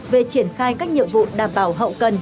về triển khai các nhiệm vụ đảm bảo hậu cần